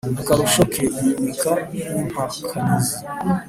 Akarusho ke yimika n’impakanizi.